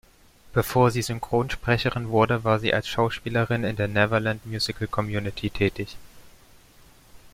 Bevor sie Synchronsprecherin wurde, war sie als Schauspielerin in der "Neverland Musical Community" tätig.